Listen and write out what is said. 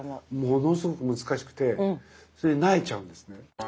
ものすごく難しくてそれで萎えちゃうんですね。